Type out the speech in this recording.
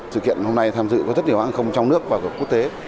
sự kiện hôm nay tham dự có rất nhiều hãng không trong nước và của quốc tế